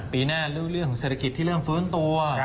ปีหน้าหรือเรื่องเศรษฐกิจที่เริ่มฟื้นตัว